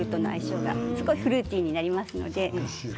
フルーティーになりますので。